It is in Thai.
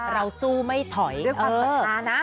เราสู้ไม่ถอยด้วยความศรัทธานะ